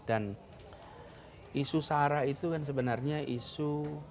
dan isu sahara itu kan sebenarnya isu